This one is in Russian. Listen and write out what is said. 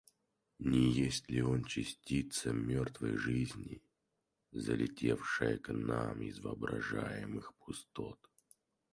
Не есть ли он частица мертвой жизни, залетевшая к нам из воображаемых пустот?